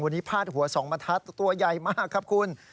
วันนี้พาดหัวสองบรรทัศน์ตัวใหญ่มากครับคุณ